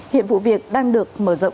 hiện vụ việc đang được mở rộng điều tra